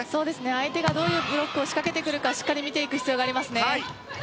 相手がどういうブロックを仕掛けてくるかしっかり見ていく必要があります。